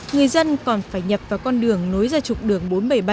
người dân còn phải nhập vào con đường nối ra trục đường bốn trăm bảy mươi bảy